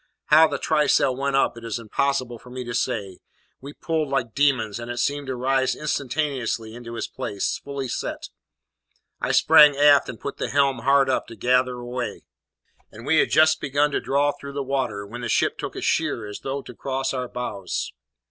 How the trysail went up, it is impossible for me to say; we pulled like demons, and it seemed to rise instantaneously into its place, fully set. I sprang aft, and put the helm hard up, to gather way; and we had just begun to draw through the water, when the ship took a sheer as though to cross our bows.